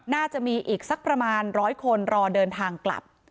น่าจะมีอีกสักประมาณ๑๐๐คนรอเดินทางกลับ